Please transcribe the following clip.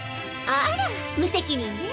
あら無責任ね。